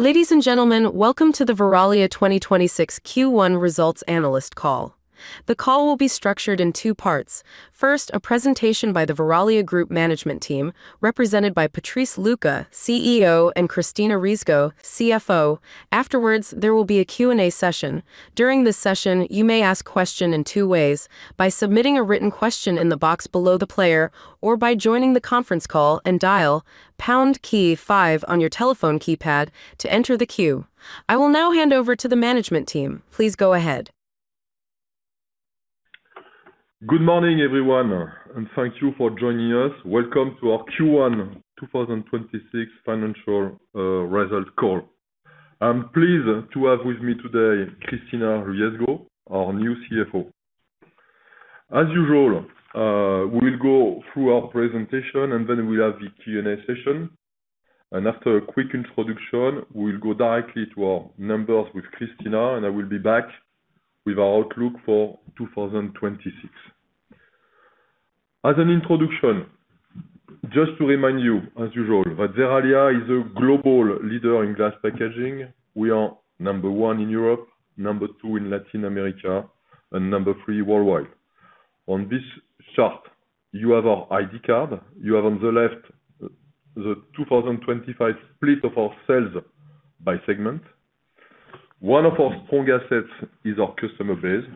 Ladies and gentlemen, welcome to the Verallia Q1 2026 results analyst call. The call will be structured in two parts. First, a presentation by the Verallia group management team represented by Patrice Lucas, CEO, and Cristina Riesgo, CFO. Afterwards, there will be a Q&A session. During this session, you may ask question in two ways, by submitting a written question in the box below the player, or by joining the conference call and dial pound key five on your telephone keypad to enter the queue. I will now hand over to the management team. Please go ahead. Good morning, everyone, and thank you for joining us. Welcome to our Q1 2026 financial results call. I'm pleased to have with me today Cristina Riesgo, our new CFO. As usual, we will go through our presentation and then we'll have the Q&A session. After a quick introduction, we'll go directly to our numbers with Cristina and I will be back with our outlook for 2026. As an introduction, just to remind you as usual, that Verallia is a global leader in glass packaging. We are number one in Europe, number two in Latin America, and number three worldwide. On this chart you have our ID card, you have on the left the 2025 split of our sales by segment. One of our strong assets is our customer base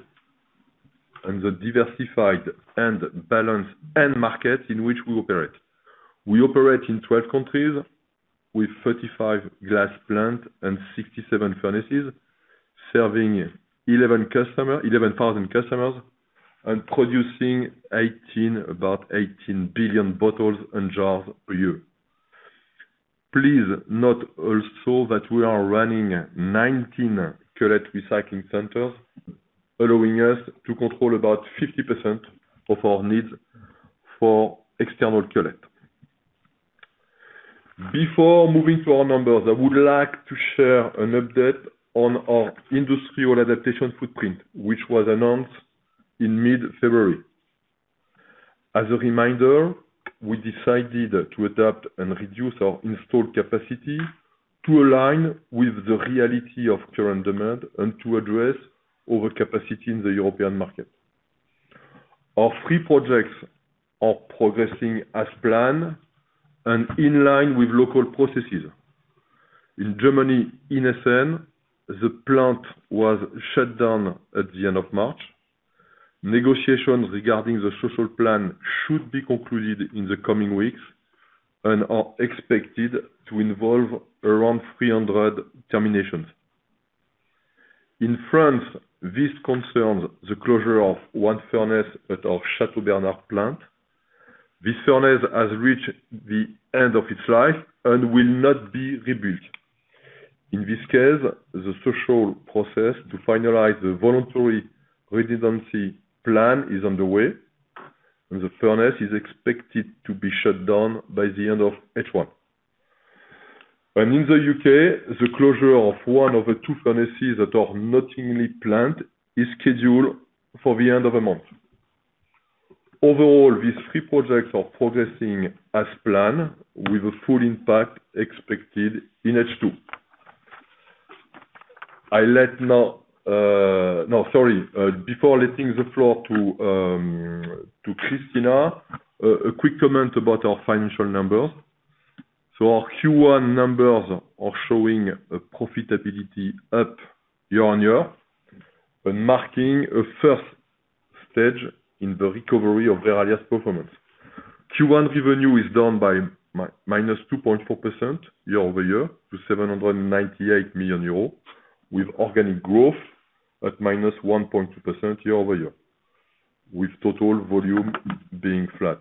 and the diversified and balanced end market in which we operate. We operate in 12 countries with 35 glass plants and 67 furnaces, serving 11,000 customers and producing about 18 billion bottles and jars a year. Please note also that we are running 19 cullet recycling centers, allowing us to control about 50% of our needs for external cullet. Before moving to our numbers, I would like to share an update on our industrial adaptation footprint, which was announced in mid-February. As a reminder, we decided to adapt and reduce our installed capacity to align with the reality of current demand and to address overcapacity in the European market. Our three projects are progressing as planned and in line with local processes. In Germany, in Essen, the plant was shut down at the end of March. Negotiations regarding the social plan should be concluded in the coming weeks and are expected to involve around 300 terminations. In France, this concerns the closure of one furnace at our Châteaubernard plant. This furnace has reached the end of its life and will not be rebuilt. In this case, the social process to finalize the voluntary redundancy plan is underway, and the furnace is expected to be shut down by the end of H1. In the U.K., the closure of one of the two furnaces at our Nottingham plant is scheduled for the end of the month. Overall, these three projects are progressing as planned, with a full impact expected in H2. Sorry. Before letting the floor to Cristina, a quick comment about our financial numbers. Our Q1 numbers are showing a profitability up year-on-year and marking a first stage in the recovery of Verallia's performance. Q1 revenue is down by -2.4% year-over-year to 798 million euros, with organic growth at -1.2% year-over-year, with total volume being flat.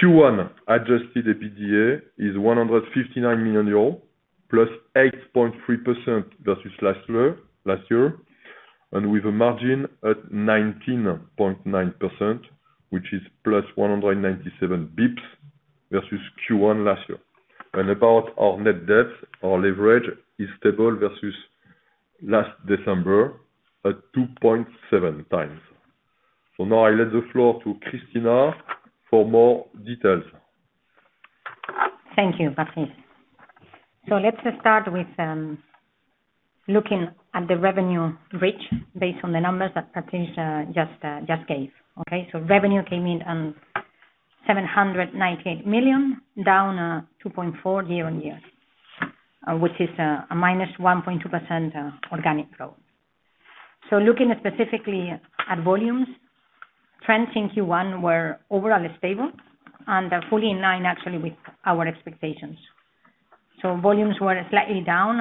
Q1 adjusted EBITDA is EUR 159 million +8.3% versus last year, and with a margin at 19.9%, which is +197 basis points versus Q1 last year. About our net debt, our leverage is stable versus last December at 2.7x. Now I give the floor to Cristina for more details. Thank you, Patrice. Let's start with looking at the revenue bridge based on the numbers that Patrice just gave. Okay, revenue came in at 798 million, down 2.4% year-on-year, which is a -1.2% organic growth. Looking specifically at volumes, trends in Q1 were overall stable and are fully in line actually with our expectations. Volumes were slightly down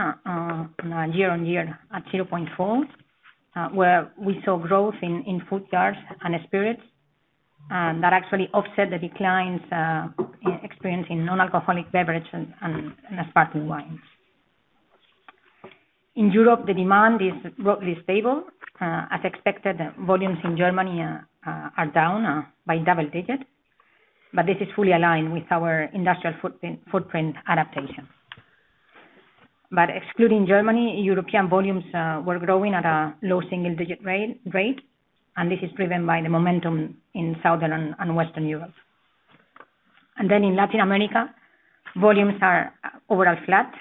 year-on-year at 0.4%, where we saw growth in food jars and spirits. That actually offset the declines experienced in non-alcoholic beverage and sparkling wines. In Europe, the demand is roughly stable. As expected, volumes in Germany are down by double-digit, but this is fully aligned with our industrial footprint adaptation. Excluding Germany, European volumes were growing at a low single digit rate, and this is driven by the momentum in Southern and Western Europe. In Latin America, volumes are overall flat.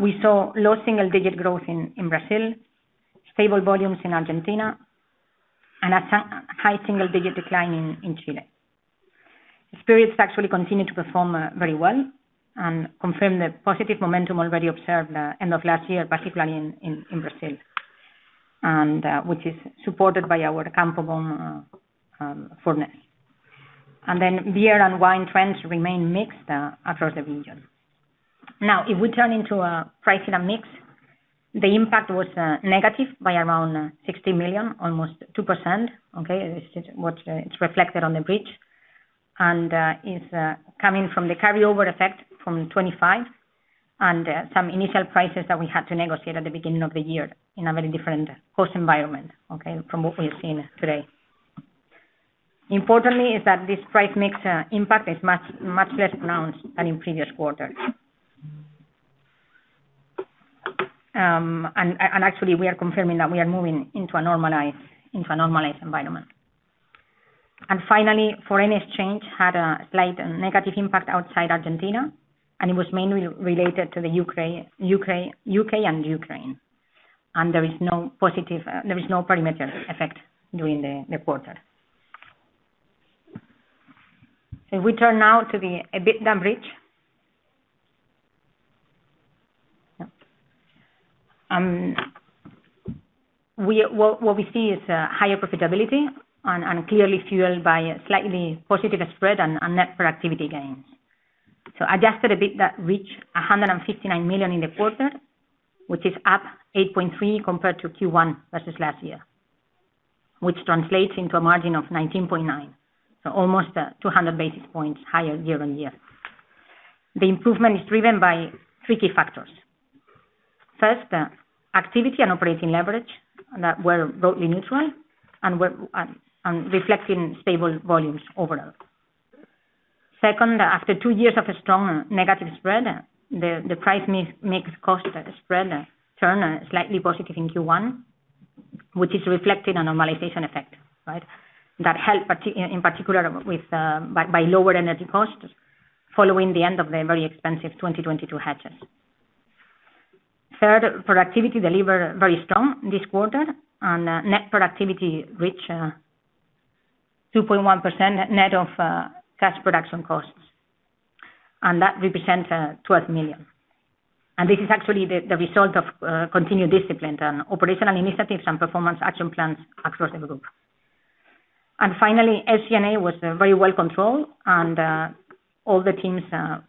We saw low single digit growth in Brazil, stable volumes in Argentina, and a high single digit decline in Chile. Spirits actually continued to perform very well and confirm the positive momentum already observed end of last year, particularly in Brazil, which is supported by our Campo Bom furnace. Beer and wine trends remain mixed across the region. Now, if we turn into pricing and mix, the impact was negative by around 60 million, almost 2%. Okay? It's reflected on the bridge, and is coming from the carry-over effect from 2025, and some initial prices that we had to negotiate at the beginning of the year in a very different cost environment, okay, from what we've seen today. Importantly is that this price mix impact is much less pronounced than in previous quarters. Actually we are confirming that we are moving into a normalized environment. Finally, foreign exchange had a slight negative impact outside Argentina, and it was mainly related to the U.K. and Ukraine. There is no perimeter effect during the quarter. If we turn now to the EBITDA bridge. Yep. What we see is higher profitability and clearly fueled by a slightly positive spread and net productivity gains. Adjusted EBITDA reached 159 million in the quarter, which is up 8.3% compared to Q1 versus last year, which translates into a margin of 19.9%. Almost 200 basis points higher year-on-year. The improvement is driven by three key factors. First, activity and operating leverage that were broadly neutral and reflecting stable volumes overall. Second, after two years of a strong negative spread, the price mix cost spread turned slightly positive in Q1, which is reflecting a normalization effect, right? That helped in particular by lower energy costs following the end of the very expensive 2022 hedges. Third, productivity delivered very strong this quarter and net productivity reached 2.1% net of cash production costs, and that represents 12 million. This is actually the result of continued discipline on operational initiatives and Performance Action Plans across the group. Finally, SG&A was very well controlled and all the teams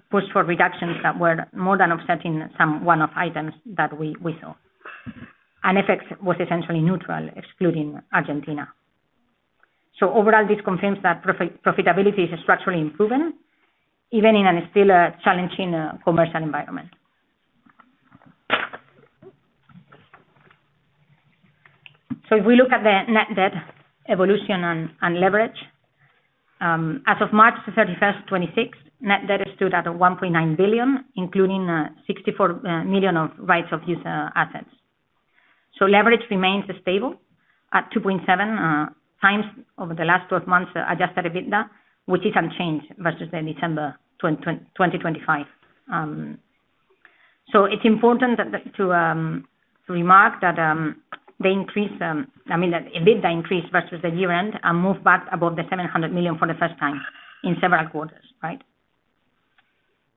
pushed for reductions that were more than offsetting some one-off items that we saw. FX was essentially neutral, excluding Argentina. Overall, this confirms that profitability is structurally improving, even in a still challenging commercial environment. If we look at the net debt evolution and leverage. As of March 31st, 2026, net debt stood at 1.9 billion, including 64 million of right-of-use assets. Leverage remains stable at 2.7x the last 12 months adjusted EBITDA, which is unchanged versus December 2025. It's important to remark that the EBITDA increased versus the year-end, and moved back above the 700 million for the first time in several quarters, right?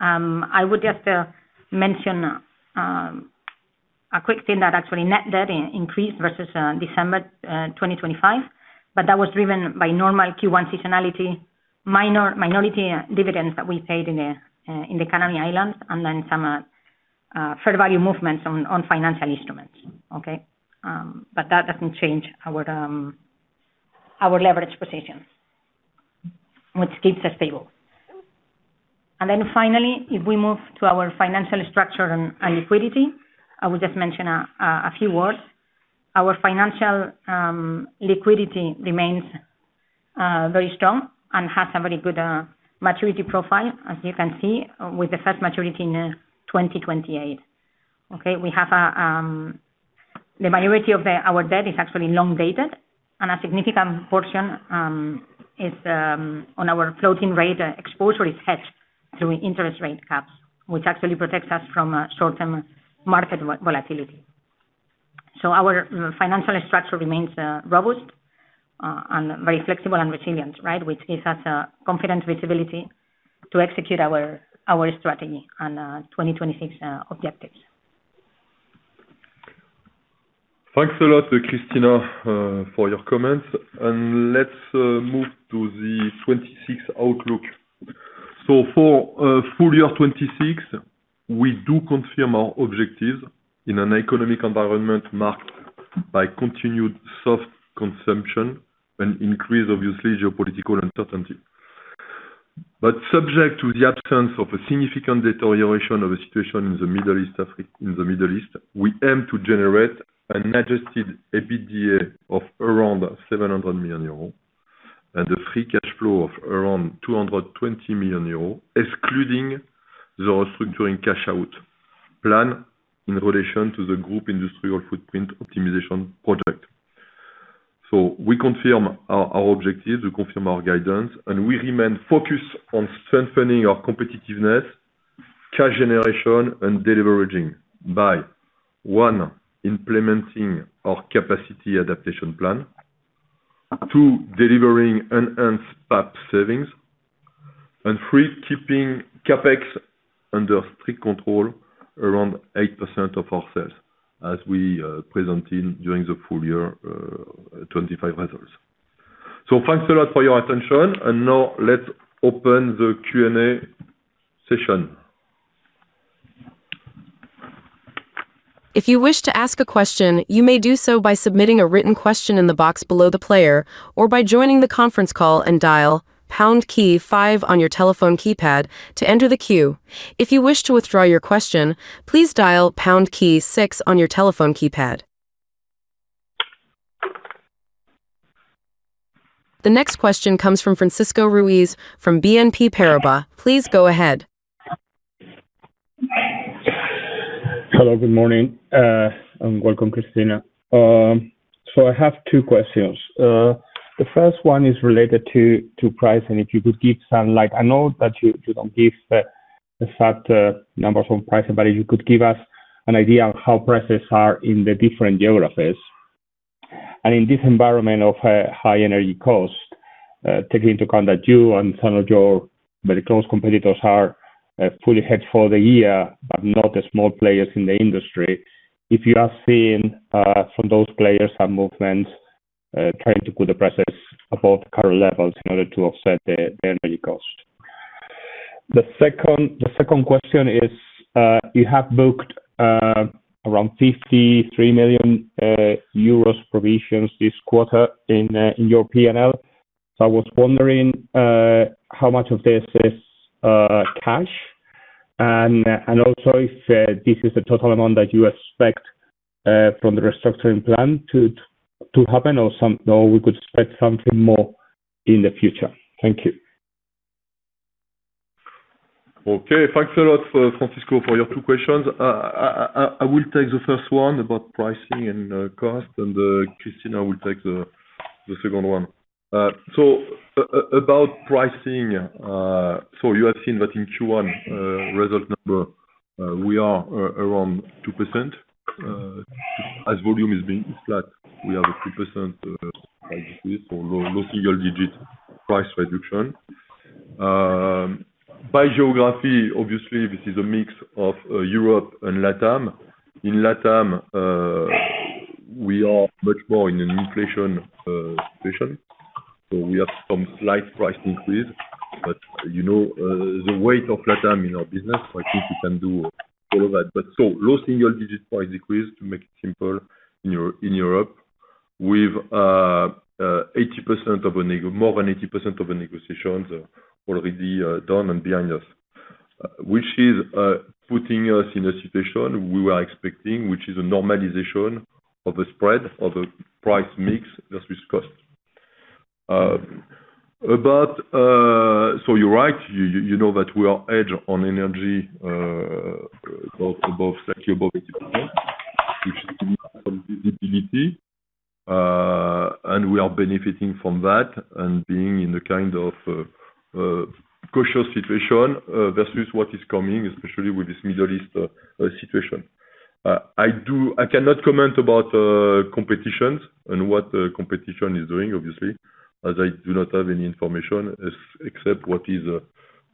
I would just mention a quick thing that actually net debt increased versus December 2025, but that was driven by normal Q1 seasonality, minority dividends that we paid in the Canary Islands, and then some fair value movements on financial instruments. Okay? That doesn't change our leverage position, which keeps us stable. Finally, if we move to our financial structure and liquidity, I will just mention a few words. Our financial liquidity remains very strong and has a very good maturity profile, as you can see with the first maturity in 2028. Okay? The majority of our debt is actually long dated and a significant portion on our floating rate exposure is hedged through interest rate caps, which actually protects us from short-term market volatility. Our financial structure remains robust and very flexible and resilient, right? Which gives us confident visibility to execute our strategy and 2026 objectives. Thanks a lot, Cristina, for your comments. Let's move to the 2026 outlook. For full year 2026, we do confirm our objectives in an economic environment marked by continued soft consumption and increased, obviously, geopolitical uncertainty. Subject to the absence of a significant deterioration of the situation in the Middle East, we aim to generate an adjusted EBITDA of around 700 million euros and a free cash flow of around 220 million euros, excluding the restructuring cash out plan in relation to the group industrial footprint optimization project. We confirm our objectives, we confirm our guidance, and we remain focused on strengthening our competitiveness, cash generation, and deleveraging by, one, implementing our capacity adaptation plan. Two, delivering enhanced PAP savings. Three, keeping CapEx under strict control around 8% of our sales as we presented during the full year 2025 results. Thanks a lot for your attention, and now let's open the Q&A session. If you wish to ask a question, you may do so by submitting a written question in the box below the player or by joining the conference call and dial pound key five on your telephone keypad to enter the queue. If you wish to withdraw your question, please dial pound key six on your telephone keypad. The next question comes from Francisco Ruiz from BNP Paribas. Please go ahead. Hello, good morning, and welcome, Cristina. I have two questions. The first one is related to pricing. If you could give some, I know that you don't give the exact numbers on pricing, but you could give us an idea of how prices are in the different geographies. In this environment of high energy costs, take into account that you and some of your very close competitors are fully hedged for the year, but not the small players in the industry. If you have seen from those players some movements trying to put the prices above current levels in order to offset the energy cost. The second question is, you have booked around 53 million euros provisions this quarter in your P&L. I was wondering how much of this is cash, and also if this is the total amount that you expect from the restructuring plan to happen, or we could expect something more in the future. Thank you. Okay. Thanks a lot, Francisco, for your two questions. I will take the first one about pricing and cost, and Cristina will take the second one. About pricing, you have seen that in Q1 result number, we are around 2%. As volume is being flat, we have a 3% price increase, so low single-digit price reduction. By geography, obviously, this is a mix of Europe and LATAM. In LATAM, we are much more in an inflation situation. We have some slight price increase, but the weight of LATAM in our business, so I think we can do all of that. Low single-digit price increase, to make it simple, in Europe, with more than 80% of the negotiations already done and behind us, which is putting us in a situation we were expecting, which is a normalization of the spread, of the price mix versus cost. You're right, you know that we are hedged on energy slightly above 80%, which is some visibility, and we are benefiting from that, and being in a kind of cautious situation versus what is coming, especially with this Middle East situation. I cannot comment about competition and what the competition is doing, obviously, as I do not have any information except what is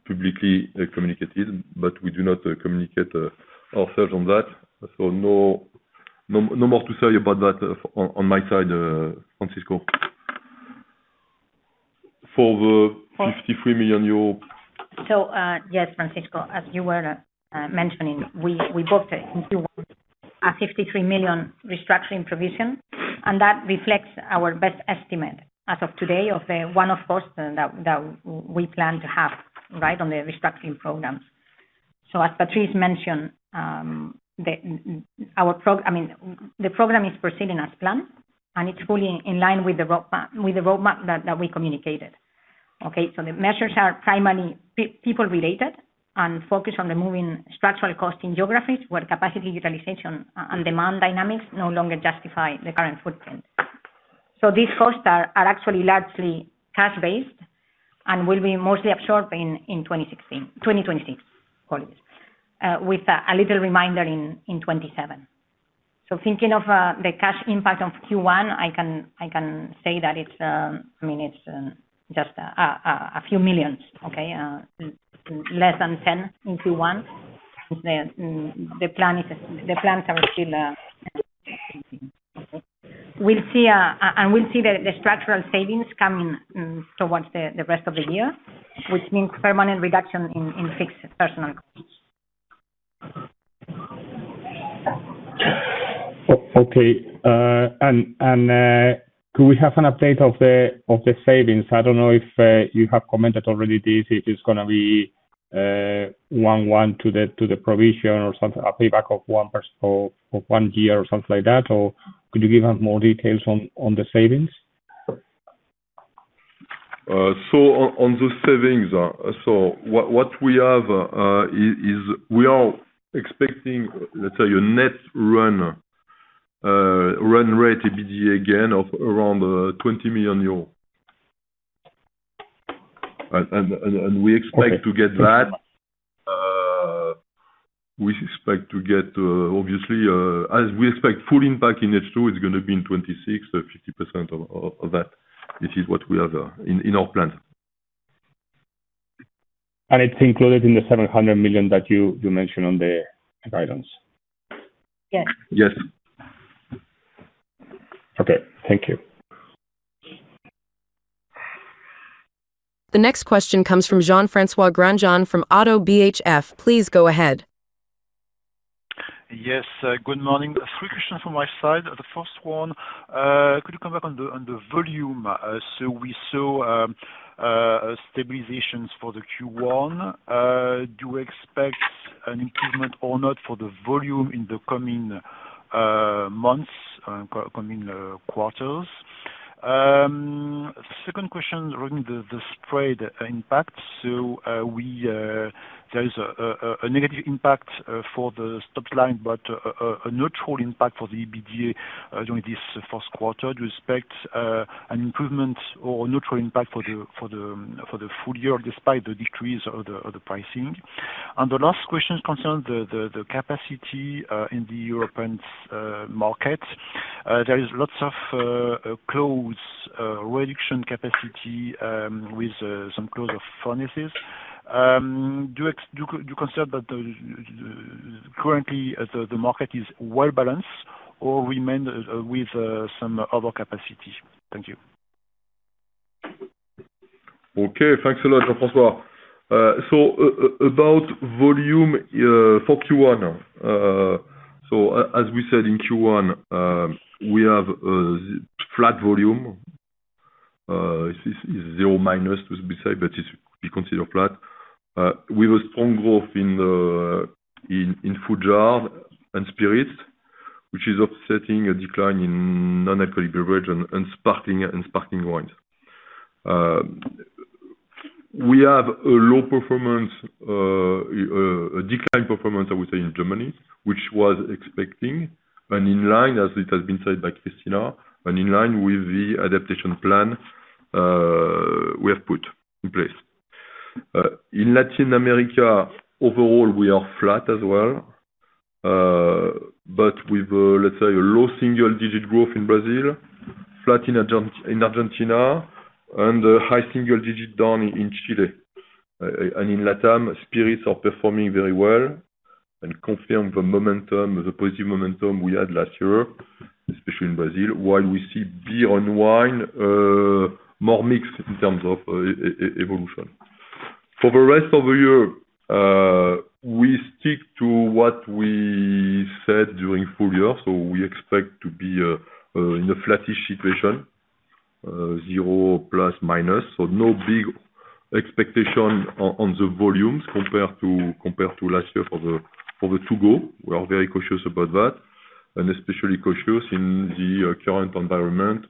publicly communicated, but we do not communicate our thoughts on that. No more to say about that on my side, Francisco. For the 53 million euro- Yes, Francisco, as you were mentioning, we booked in Q1 a 53 million restructuring provision, and that reflects our best estimate as of today of the one-off cost that we plan to have right on the restructuring programs. As Patrice mentioned, the program is proceeding as planned, and it's fully in line with the roadmap that we communicated. Okay? The measures are primarily people-related and focused on removing structural cost in geographies where capacity utilization and demand dynamics no longer justify the current footprint. These costs are actually largely cash based and will be mostly absorbed in 2026, with a little reminder in 2027. Thinking of the cash impact on Q1, I can say that it's just a few millions, okay? Less than 10 million in Q1. The plans are still... We'll see the structural savings coming toward the rest of the year, which means permanent reduction in fixed personnel costs. Okay. Could we have an update of the savings? I don't know if you have commented on this already, if it's going to be one-to-one to the provision or a payback of one year or something like that, or could you give us more details on the savings? On those savings, what we are expecting, let's say a net run rate EBITDA gain of around EUR 20 million. We expect to get that. Obviously, as we expect full impact in H2, it's going to be in 2026, so 50% of that. This is what we have in our plan. It's included in the 700 million that you mentioned on the guidance? Yes. Yes. Okay, thank you. The next question comes from Jean-François Granjon from ODDO BHF. Please go ahead. Yes, good morning. Three questions from my side. The first one, could you come back on the volume? We saw stabilization in Q1. Do you expect an improvement or not for the volume in the coming months, coming quarters? Second question regarding the spread impact. There is a negative impact for the top line, but a neutral impact for the EBITDA during this first quarter. Do you expect an improvement or neutral impact for the full year despite the decrease of the pricing? The last question concerns the capacity in the European market. There are lots of capacity reduction with some closure of furnaces. Do you consider that currently the market is well-balanced or remains with some overcapacity? Thank you. Okay, thanks a lot, Jean-François. About volume, for Q1, as we said in Q1, we have a flat volume. This is 0- we say, but we consider flat. With a strong growth in food jar and spirits, which is offsetting a decline in non-alcoholic beverage and sparkling wine. We have a low performance, a decline performance, I would say, in Germany, which was expecting and in line, as it has been said by Cristina, and in line with the adaptation plan we have put in place. In Latin America, overall, we are flat as well. With, let's say, a low single digit growth in Brazil, flat in Argentina, and a high single digit down in Chile. In LATAM, spirits are performing very well and confirm the positive momentum we had last year, especially in Brazil, while we see beer and wine more mixed in terms of evolution. For the rest of the year, we stick to what we said during full year. We expect to be in a flattish situation, 0±. No big expectation on the volumes compared to last year for the to-go. We are very cautious about that, and especially cautious in the current environment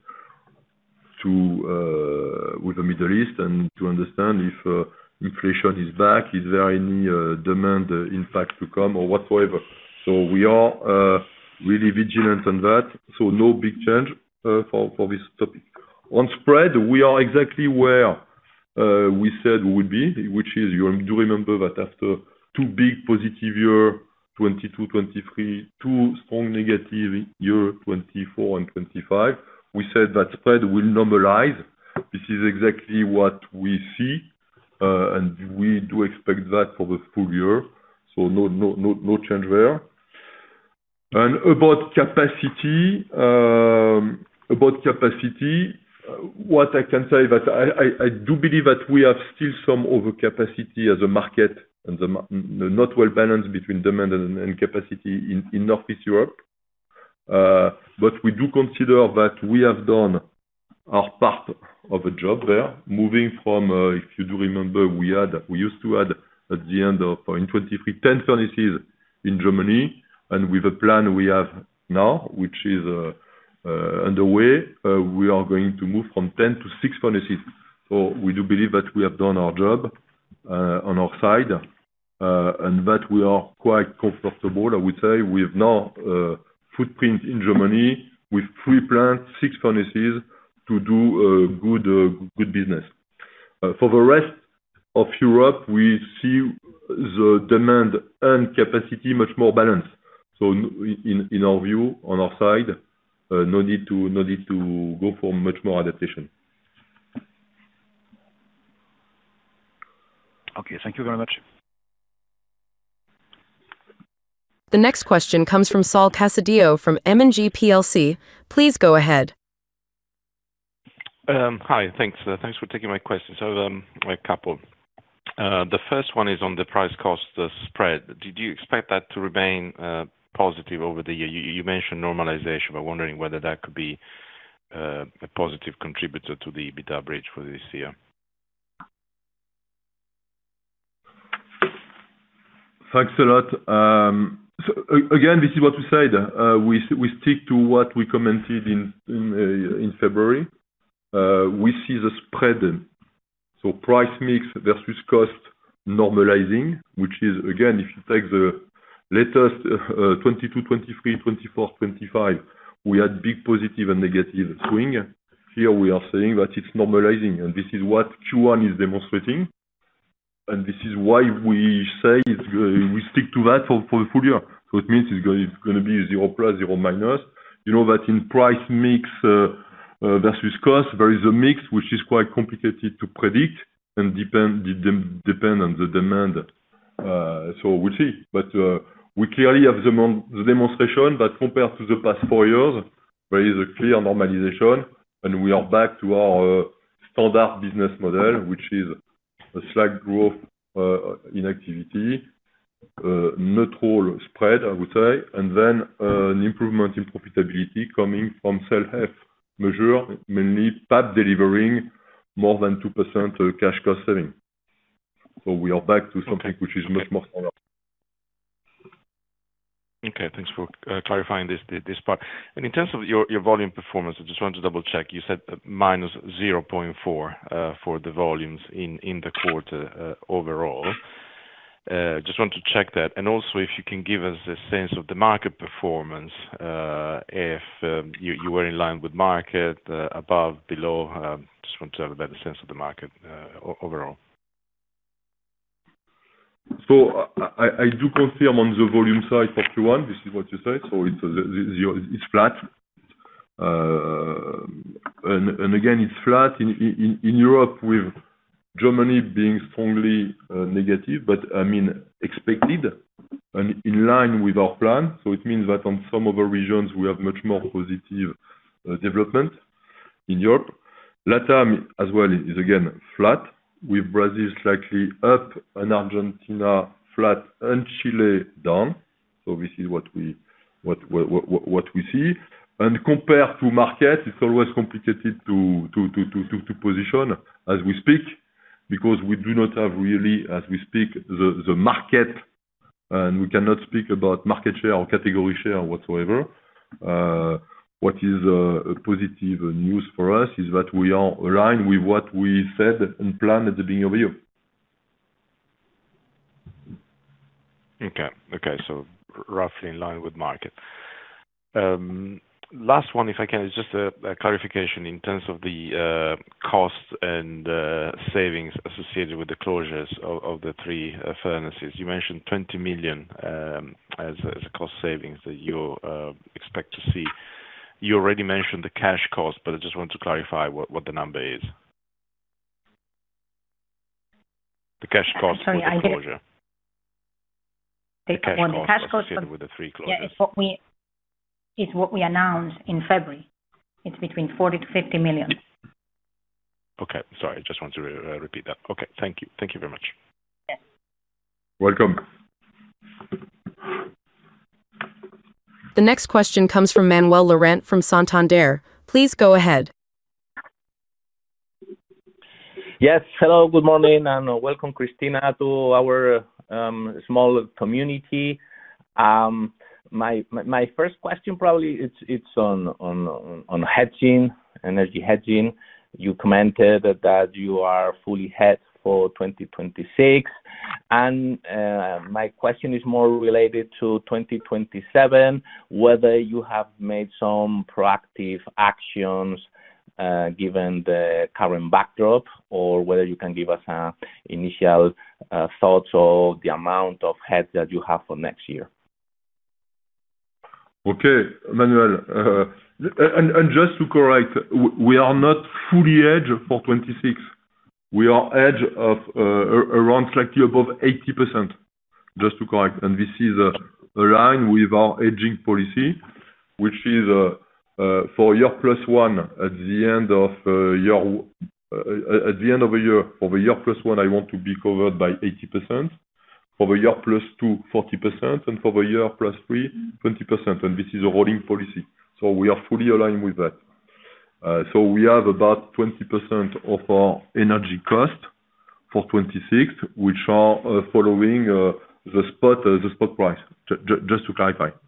with the Middle East and to understand if inflation is back, is there any demand impact to come or whatsoever. We are really vigilant on that. No big change for this topic. On spread, we are exactly where we said we would be, which is you do remember that after two big positive year, 2022, 2023, two strong negative year, 2024 and 2025, we said that spread will normalize. This is exactly what we see, and we do expect that for the full year. No change there. About capacity, what I can say is that I do believe that we have still some overcapacity as a market and not well balanced between demand and capacity in Northeast Europe. We do consider that we have done our part of the job there, moving from, if you do remember, we used to add, at the end of 2023, 10 furnaces in Germany, and with the plan we have now, which is underway, we are going to move from 10-6 furnaces. We do believe that we have done our job on our side, and that we are quite comfortable. I would say we have now a footprint in Germany with three plants, six furnaces to do good business. For the rest of Europe, we see the demand and capacity much more balanced. In our view, on our side, no need to go for much more adaptation. Okay, thank you very much. The next question comes from Saul Casadio from M&G plc. Please go ahead. Hi, thanks. Thanks for taking my questions. I have a couple. The first one is on the price cost spread. Did you expect that to remain positive over the year? You mentioned normalization. I'm wondering whether that could be a positive contributor to the EBITDA bridge for this year. Thanks a lot. Again, this is what we said. We stick to what we commented in February. We see the spread, so price mix versus cost normalizing, which is again, if you take the latest, 2022, 2023, 2024, 2025, we had big positive and negative swing. Here we are saying that it's normalizing, and this is what Q1 is demonstrating, and this is why we say we stick to that for the full year. It means it's going to be 0+, 0-. You know that in price mix, versus cost, there is a mix, which is quite complicated to predict and depend on the demand. We'll see. We clearly have the demonstration that compared to the past four years, there is a clear normalization, and we are back to our standard business model, which is a slight growth in activity, net whole spread, I would say, and then an improvement in profitability coming from self-help measure, mainly PAP delivering more than 2% cash cost saving. We are back to something which is much more solid. Okay, thanks for clarifying this part. In terms of your volume performance, I just want to double check. You said -0.4% for the volumes in the quarter overall. Just want to check that, and also if you can give us a sense of the market performance, if you were in line with market, above, below. Just want to have a better sense of the market overall. I do confirm on the volume side for Q1, this is what you say. It's flat. Again, it's flat in Europe with Germany being strongly negative, but expected and in line with our plan. It means that on some of the regions, we have much more positive development in Europe. LATAM as well is again flat, with Brazil slightly up and Argentina flat and Chile down. This is what we see. Compared to market, it's always complicated to position as we speak, because we do not have really, as we speak, the market, and we cannot speak about market share or category share whatsoever. What is a positive news for us is that we are aligned with what we said and planned at the beginning of the year. Okay. Roughly in line with market. Last one, if I can, is just a clarification in terms of the costs and savings associated with the closures of the three furnaces. You mentioned 20 million as a cost savings that you expect to see. You already mentioned the cash cost, but I just want to clarify what the number is. The cash cost of the closure. Sorry, I didn't- The cash cost with the three closures. Yeah. It's what we announced in February. It's between 40 million-50 million. Okay. Sorry, I just want to repeat that. Okay, thank you. Thank you very much. Yes. Welcome. The next question comes from Manuel Lorente from Santander. Please go ahead. Yes. Hello, good morning, and welcome, Cristina, to our small community. My first question probably it's on hedging, energy hedging. You commented that you are fully hedged for 2026. My question is more related to 2027, whether you have made some proactive actions given the current backdrop or whether you can give us initial thoughts or the amount of hedge that you have for next year. Okay. Manuel, just to correct, we are not fully hedged for 2026. We are hedged at around slightly above 80%, just to correct. This is aligned with our hedging policy, which is, for year +1, at the end of the year. For the year +1, I want to be covered by 80%. For the year +2, 40%, and for the year +3, 20%. This is a rolling policy, so we are fully aligned with that. We have about 20% of our energy cost for 2026, which are following the spot price, just to clarify up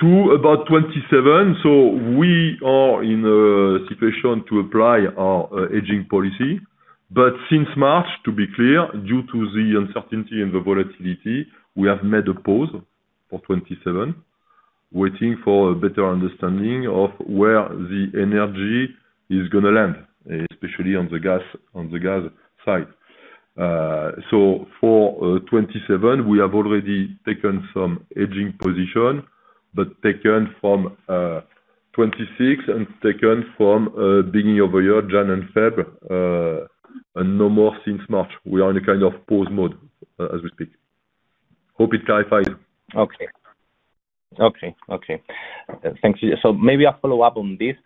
to about 2027, so we are in a situation to apply our hedging policy. Since March, to be clear, due to the uncertainty and the volatility, we have made a pause for 2027, waiting for a better understanding of where the energy is going to land, especially on the gas side. For 2027, we have already taken some hedging position, but taken from 2026 and beginning of the year, January and February, and no more since March. We are in a kind of pause mode as we speak. Hope it clarifies. Okay. Thanks. Maybe a follow-up on this.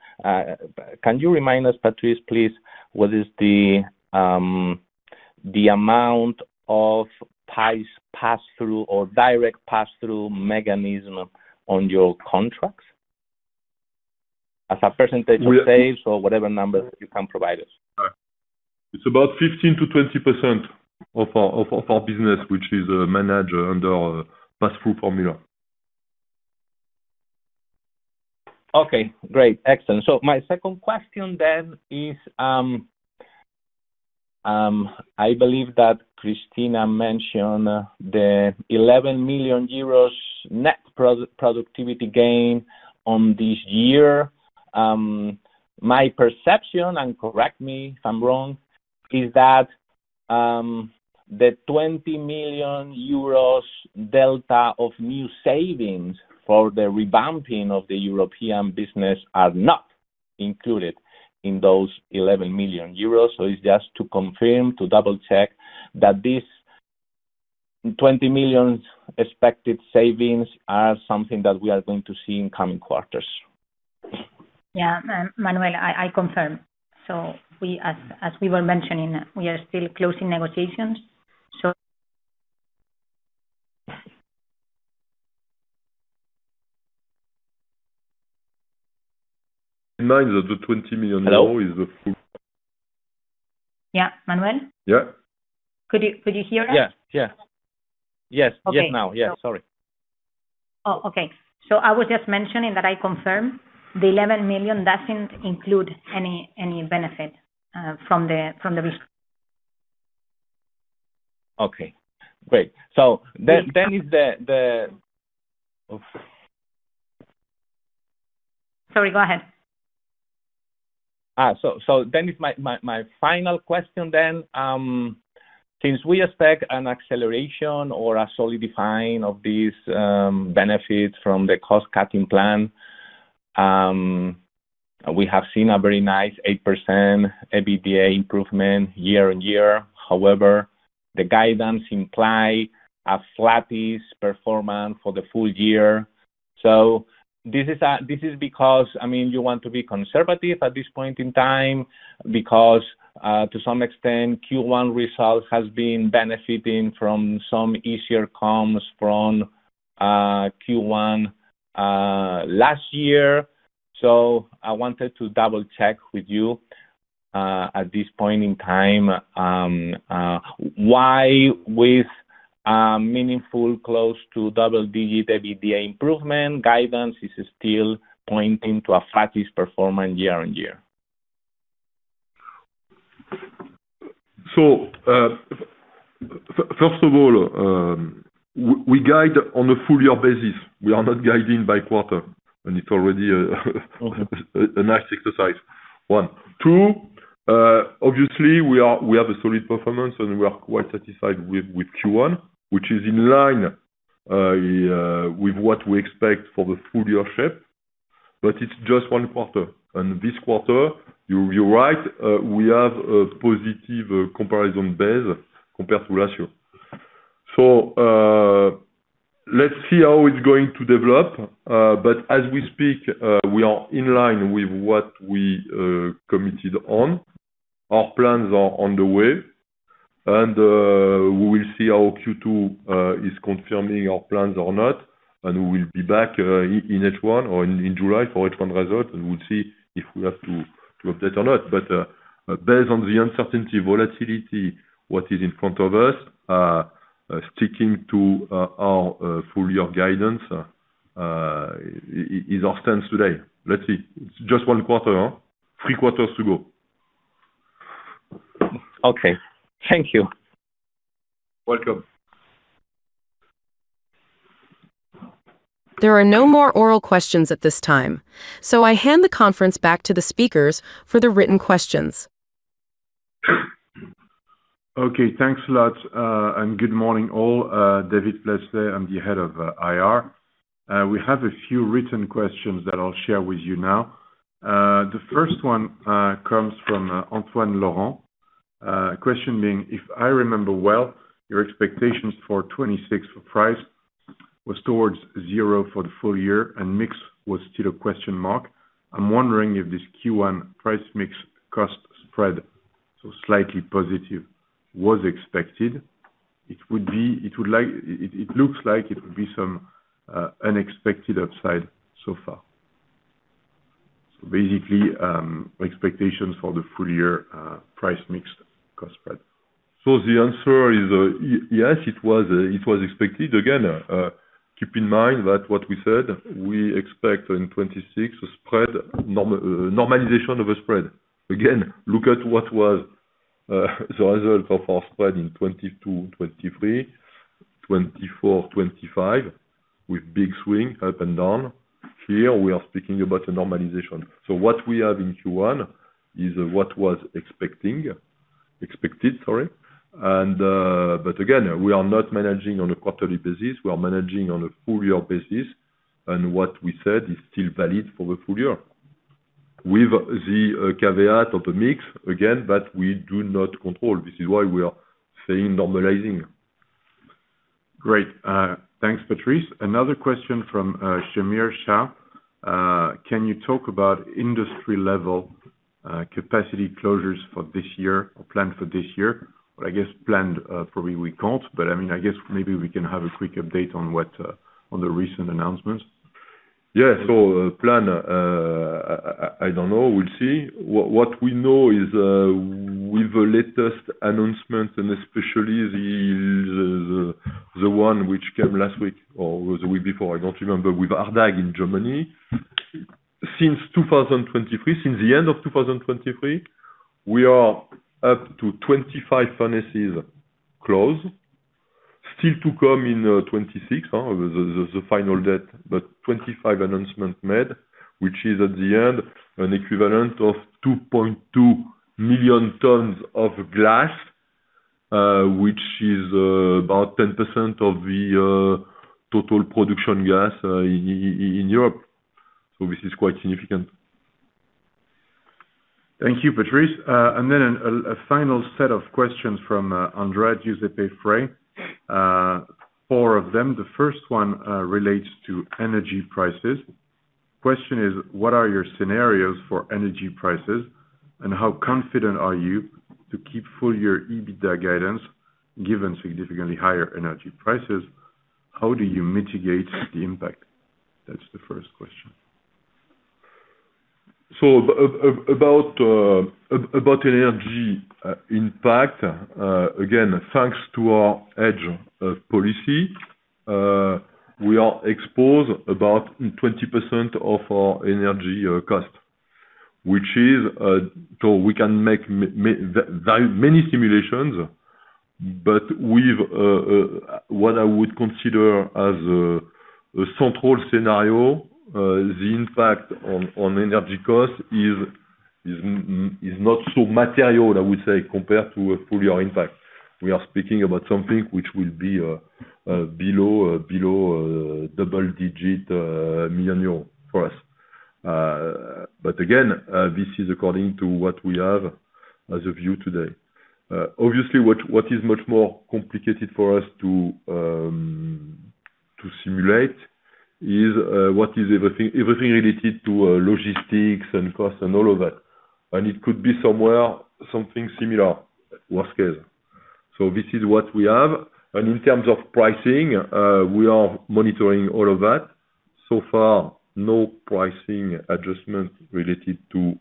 Can you remind us, Patrice, please, what is the amount of pass-through or direct pass-through mechanism on your contracts? As a percentage of sales or whatever number you can provide us. It's about 15%-20% of our business, which is managed under pass-through formula. Okay, great. Excellent. My second question then is, I believe that Cristina mentioned the 11 million euros net productivity gain on this year. My perception, and correct me if I'm wrong, is that the 20 million euros delta of new savings for the revamping of the European business are not included in those 11 million euros. It's just to confirm, to double-check that this 20 million expected savings are something that we are going to see in coming quarters. Yeah. Manuel, I confirm. As we were mentioning, we are still closing negotiations. Keep in mind that the 20 million euros is a full. Yeah. Manuel? Yeah. Could you hear us? Yeah. Yes now. Okay. Yeah, sorry. Oh, okay. I was just mentioning that I confirm the 11 million doesn't include any benefit from the risk. Okay, great. Sorry, go ahead. Is my final question then. Since we expect an acceleration or a solidifying of these benefits from the cost-cutting plan, we have seen a very nice 8% EBITDA improvement year-over-year. However, the guidance implies a flattish performance for the full year. This is because you want to be conservative at this point in time because, to some extent, Q1 results has been benefiting from some easier comps from Q1 last year. I wanted to double-check with you, at this point in time, why with a meaningful close to double-digit EBITDA improvement guidance is still pointing to a flattish performance year-over-year. First of all, we guide on a full year basis. We are not guiding by quarter, and it's already a nice exercise. One. Two, obviously we have a solid performance, and we are quite satisfied with Q1, which is in line with what we expect for the full year shape. It's just one quarter. This quarter, you're right, we have a positive comparison base compared to last year. Let's see how it's going to develop. As we speak, we are in line with what we committed on. Our plans are on the way, and we will see how Q2 is confirming our plans or not, and we will be back in H1 or in July for H1 results, and we'll see if we have to update or not. Based on the uncertainty, volatility, what is in front of us, sticking to our full-year guidance is our stance today. Let's see. It's just one quarter. Three quarters to go. Okay. Thank you. Welcome. There are no more oral questions at this time, so I hand the conference back to the speakers for the written questions. Okay. Thanks a lot, and good morning, all. David Placet. I'm the Head of IR. We have a few written questions that I'll share with you now. The first one comes from Antoine Laurent. Question being, if I remember well, your expectations for 2026 for price was towards zero for the full year, and mix was still a question mark. I'm wondering if this Q1 price mix cost spread, so slightly positive, was expected. It looks like it would be some unexpected upside so far. Basically, expectations for the full year price mix cost spread. The answer is, yes, it was expected. Again, keep in mind that what we said, we expect in 2026 a normalization of a spread. Again, look at what was the result of our spread in 2022, 2023, 2024, 2025, with big swing up and down. Here, we are speaking about a normalization. What we have in Q1 is what was expected. Sorry. Again, we are not managing on a quarterly basis. We are managing on a full year basis, and what we said is still valid for the full year with the caveat of the mix, again, but we do not control. This is why we are saying normalizing. Great. Thanks, Patrice. Another question from Shamir Shah. Can you talk about industry-level capacity closures planned for this year. I guess planned probably we can't, but I guess maybe we can have a quick update on the recent announcements. Yeah. Planned, I don't know. We'll see. What we know is with the latest announcement and especially the one which came last week or the week before, I don't remember, with Ardagh in Germany. Since the end of 2023, we are up to 25 furnaces closed. Still to come in 2026, the final date, but 25 announcements made, which is at the end an equivalent of 2.2 million tons of glass, which is about 10% of the total production glass in Europe. This is quite significant. Thank you, Patrice. A final set of questions from Andrea Giuseppe Frey. Four of them. The first one relates to energy prices. Question is, what are your scenarios for energy prices, and how confident are you to keep full year EBITDA guidance given significantly higher energy prices? How do you mitigate the impact? That's the first question. About energy impact, again, thanks to our hedge policy, we are exposed about 20% of our energy cost. We can make many simulations, but with what I would consider as a central scenario, the impact on energy cost is not so material, I would say, compared to a full year impact. We are speaking about something which will be below double-digit million euro for us. Again, this is according to what we have as our view today. Obviously, what is much more complicated for us to simulate is everything related to logistics and cost and all of that. It could be something similar, worst case. This is what we have. In terms of pricing, we are monitoring all of that. So far, no pricing adjustment related to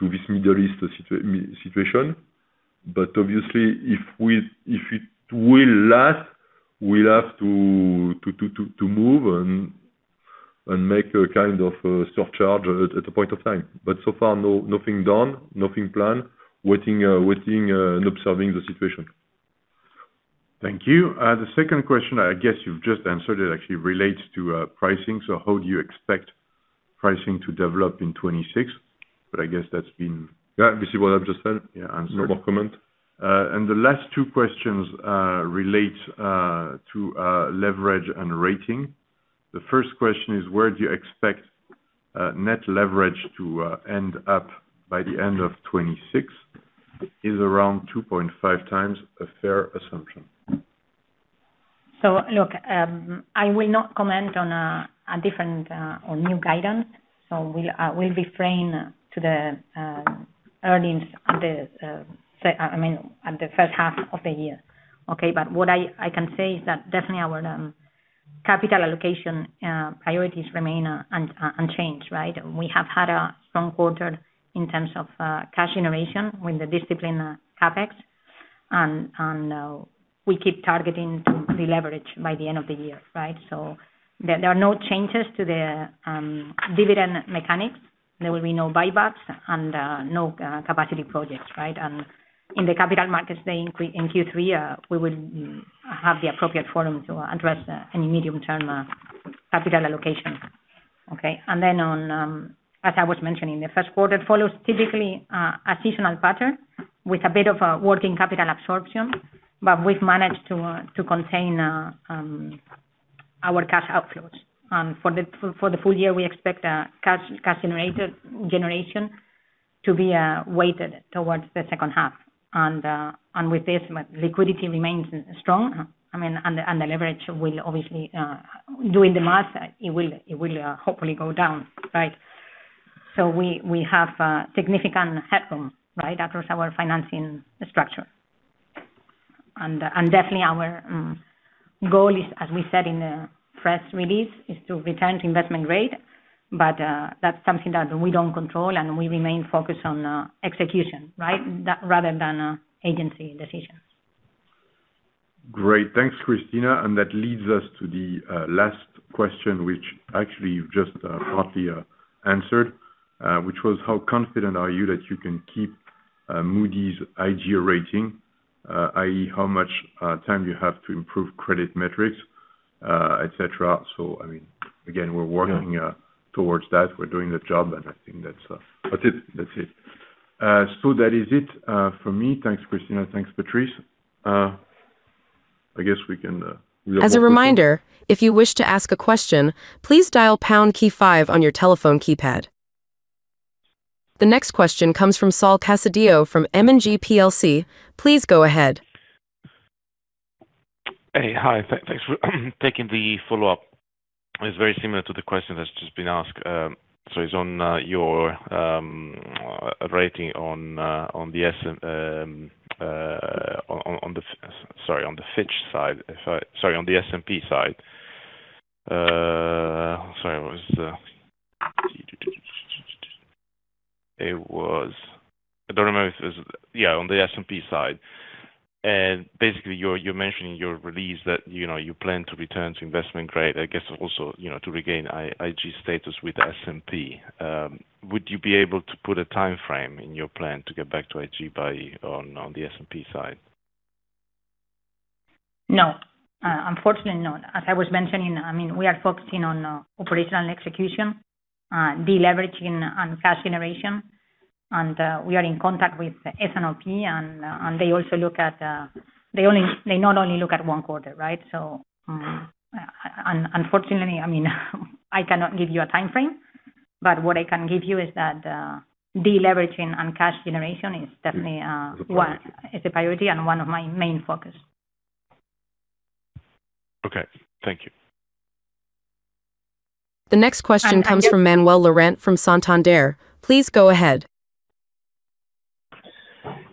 this Middle East situation. Obviously, if it will last, we'll have to move and make a kind of surcharge at a point of time. So far, nothing done, nothing planned. Waiting and observing the situation. Thank you. The second question, I guess you've just answered. It actually relates to pricing. How do you expect pricing to develop in 2026? Yeah, this is what I've just said. Yeah. No more comment. The last two questions relate to leverage and rating. The first question is, where do you expect net leverage to end up by the end of 2026? Is around 2.5x a fair assumption? Look, I will not comment on a different or new guidance. We'll refer to the earnings at the first half of the year. Okay? What I can say is that definitely our capital allocation priorities remain unchanged, right? We have had a strong quarter in terms of cash generation with the disciplined CapEx. We keep targeting the leverage by the end of the year, right? There are no changes to the dividend mechanics. There will be no buybacks and no capacity projects, right? In the Capital Markets Day in Q3, we would have the appropriate forum to address any medium-term capital allocation. Okay? As I was mentioning, the first quarter follows typically a seasonal pattern with a bit of a working capital absorption, but we've managed to contain our cash outflows. For the full year, we expect cash generation to be weighted towards the second half. With this, liquidity remains strong. The leverage will obviously, doing the math, it will hopefully go down, right? We have significant headroom across our financing structure, right? Definitely our goal is, as we said in the press release, is to return to investment grade. That's something that we don't control and we remain focused on execution, right, rather than agency decisions. Great. Thanks, Cristina. That leads us to the last question, which actually you've just partly answered, which was how confident are you that you can keep Moody's IG rating, i.e., how much time you have to improve credit metrics, et cetera. Again, we're working towards that. We're doing the job, and I think that's it. That's it. That is it for me. Thanks, Cristina. Thanks, Patrice. I guess we can. As a reminder, if you wish to ask a question, please dial pound key five on your telephone keypad. The next question comes from Saul Casadio from M&G plc. Please go ahead. Hey. Hi. Thanks for taking the follow-up. It's very similar to the question that's just been asked. It's on your rating on the S&P side. Basically, you're mentioning in your release that you plan to return to investment grade, I guess also to regain IG status with S&P. Would you be able to put a timeframe in your plan to get back to IG on the S&P side? No. Unfortunately, no. As I was mentioning, we are focusing on operational execution, de-leveraging and cash generation. We are in contact with S&P, and they not only look at one quarter, right? Unfortunately, I cannot give you a timeframe, but what I can give you is that de-leveraging and cash generation is definitely a priority and one of my main focus. Okay. Thank you. The next question comes from Manuel Lorente from Santander. Please go ahead.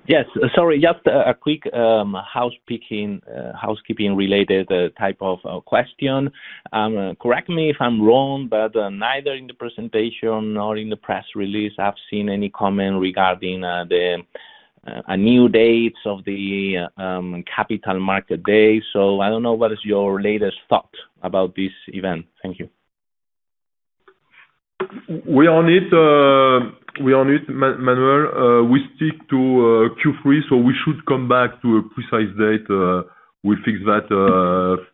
Yes. Sorry, just a quick housekeeping related type of question. Correct me if I'm wrong, but neither in the presentation nor in the press release have I seen any comment regarding the new dates of the Capital Markets Day. I don't know what is your latest thought about this event. Thank you. We are on it, Manuel. We stick to Q3, so we should come back to a precise date. We'll fix that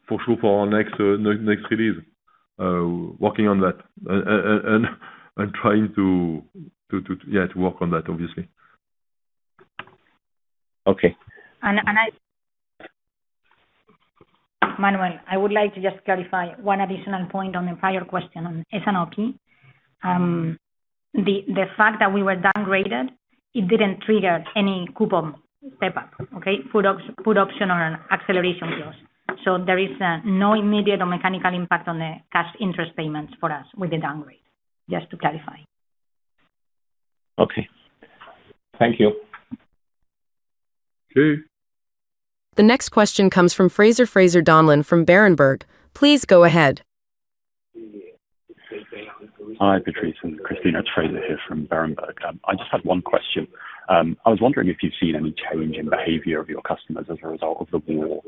for sure for our next release, working on that and trying to work on that, obviously. Okay. Manuel, I would like to just clarify one additional point on the prior question on S&P. The fact that we were downgraded, it didn't trigger any coupon step up, okay? Put option or an acceleration clause. There is no immediate or mechanical impact on the cash interest payments for us with the downgrade. Just to clarify. Okay. Thank you. Okay. The next question comes from Fraser Donlon from Berenberg. Please go ahead. Hi, Patrice and Cristina. It's Fraser here from Berenberg. I just had one question. I was wondering if you've seen any change in behavior of your customers as a result of the war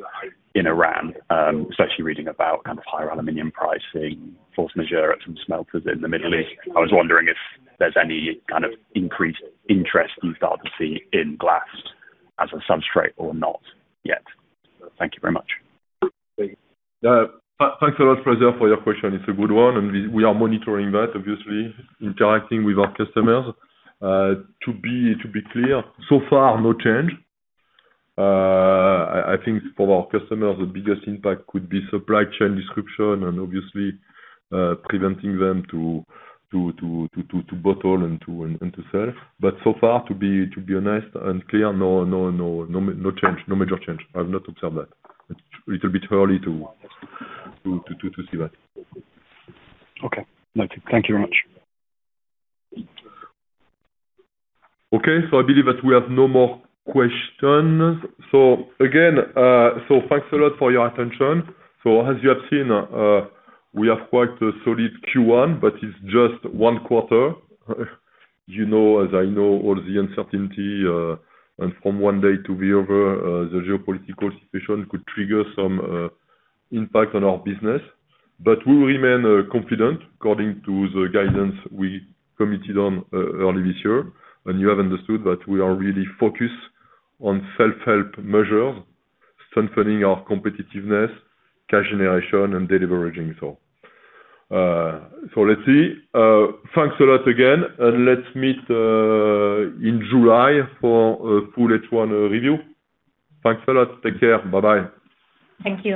in Iran. Especially reading about kind of higher aluminum pricing, force majeure at some smelters in the Middle East. I was wondering if there's any kind of increased interest you've started to see in glass as a substitute or not yet. Thank you very much. Thanks a lot, Fraser, for your question. It's a good one, and we are monitoring that, obviously, interacting with our customers. To be clear, so far, no change. I think for our customers, the biggest impact could be supply chain disruption and obviously, preventing them to bottle and to sell. But so far, to be honest and clear, no change. No major change. I've not observed that. It's a little bit early to see that. Okay. No. Thank you very much. Okay. I believe that we have no more questions. Again, thanks a lot for your attention. As you have seen, we have quite a solid Q1, but it's just one quarter. You know, as I know, all the uncertainty, and from one day to the other, the geopolitical situation could trigger some impact on our business. We will remain confident according to the guidance we committed on early this year. You have understood that we are really focused on self-help measures, strengthening our competitiveness, cash generation, and deleveraging. Let's see. Thanks a lot again, and let's meet in July for a full H1 review. Thanks a lot. Take care. Bye-bye. Thank you.